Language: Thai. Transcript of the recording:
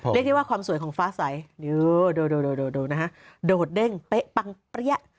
เรียกได้ว่าความสวยของฟ้าใสดูนะฮะโดดเด้งเป๊ะปังเปรี้ย